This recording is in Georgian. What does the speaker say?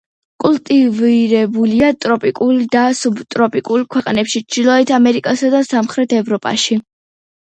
კულტივირებულია ტროპიკულ და სუბტროპიკულ ქვეყნებში, ჩრდილოეთ ამერიკასა და სამხრეთ ევროპაში.